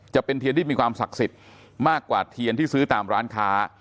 จะเป็นเทียนที่มีความศักดิ์สิทธิ์มากกว่าเทียนที่ซื้อตามร้านค้า